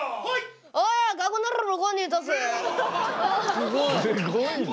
すごいな。